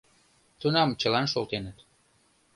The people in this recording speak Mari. Тунам чылан шолтеныт.